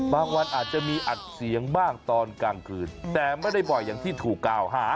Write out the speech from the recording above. วันอาจจะมีอัดเสียงบ้างตอนกลางคืนแต่ไม่ได้บ่อยอย่างที่ถูกกล่าวหา